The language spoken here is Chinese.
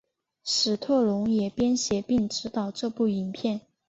史特龙也编写并执导这部影片。